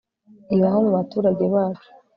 ibaho mu baturage bacu